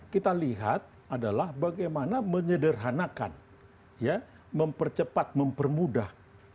kita lihat adalah bagaimana menyederhanakan ya mempercepat mempermudah